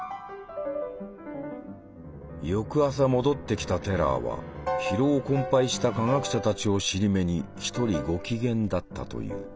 翌朝戻ってきたテラーは疲労困ぱいした科学者たちを尻目に一人ご機嫌だったという。